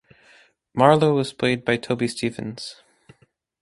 Marlowe was played by Toby Stephens.